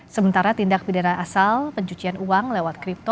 sementara tindak pidana asal pencucian uang lewat kripto